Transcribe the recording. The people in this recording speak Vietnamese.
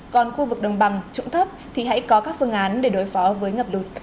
còn khu vực đồng bằng trũng thấp thì hãy có các phương án để đối phó với ngập lụt